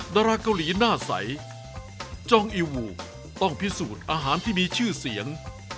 ดาราเกาหลีหน้าใสจองอิลวูต้องพิสูจน์อาหารที่มีชื่อเสียง